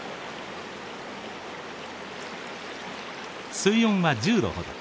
水温は１０度ほど。